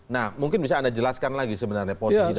nah mungkin bisa anda jelaskan lagi sebenarnya posisi dari rutan ini